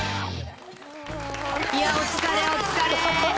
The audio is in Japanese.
いや、お疲れ、お疲れ。